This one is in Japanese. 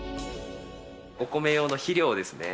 お米用の肥料ですね。